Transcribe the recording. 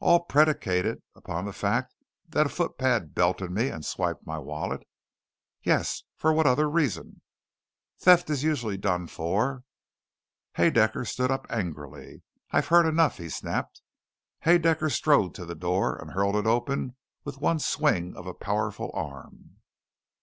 "All predicated upon the fact that a footpad belted me and swiped my wallet?" "Yes. For what other reason?" "Theft is usually done for " Haedaecker stood up angrily. "I've heard enough," he snapped. Haedaecker strode to the door and hurled it open with one swing of a powerful arm.